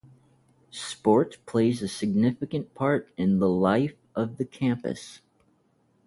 Sport plays a significant part in the life of the campus.